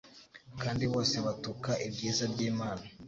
kandi bose batuka ibyiza byimana